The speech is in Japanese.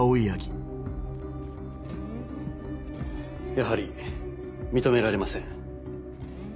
やはり認められません。